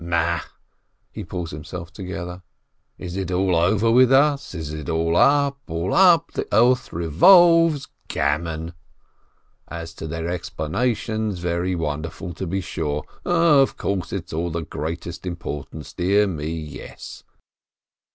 "Ma !" He pulls himself together. "Is it all over with us? Is it all up?! All up?! The earth revolves! Gammon! As to their explanations — >very wonderful, to be sure ! 0, of course, it's all of the greatest impor tance ! Dear me, yes